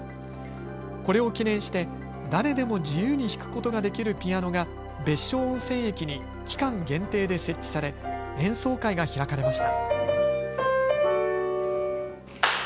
これを記念して誰でも自由に弾くことができるピアノが別所温泉駅に期間限定で設置され演奏会が開かれました。